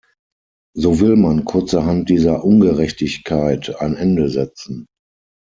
So will man kurzerhand dieser Ungerechtigkeit ein Ende setzen.